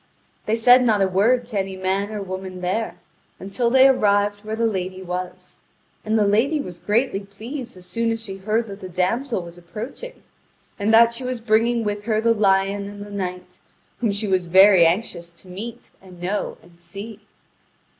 They said not a word to any man or woman there, until they arrived where the lady was. And the lady was greatly pleased as soon as she heard that the damsel was approaching, and that she was bringing with her the lion and the knight, whom she was very anxious to meet and know and see.